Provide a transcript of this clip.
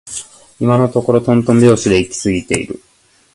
今のところとんとん拍子で行き過ぎている